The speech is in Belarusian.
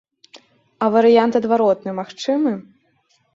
А варыянт адваротны магчымы?